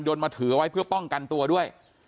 ยนต์มาถือไว้เพื่อป้องกันตัวด้วย